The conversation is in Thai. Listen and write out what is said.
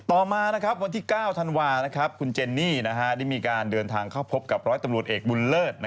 ต่อมาวันที่๙ธันวาคุณเจนนี่ได้มีการเดินทางเข้าพบกับร้อยตำรวจเอกบุญเลิศ